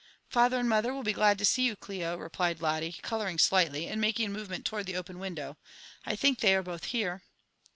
'' "Father and mother will be glad to see you, Clio," replied Lotto, colpuriDg sli^tly» and making a moyemeDt towards the o^n window, "I think Ihey afi^ both here."